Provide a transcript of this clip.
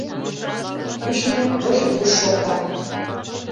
Кӱшнӧ выж-вуж шокта.